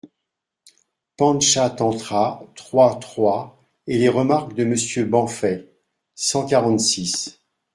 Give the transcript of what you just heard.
Pantchatantra (trois, trois), et les remarques de Monsieur Benfey (§ cent quarante-six).